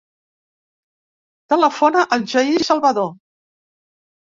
Telefona al Jair Salvador.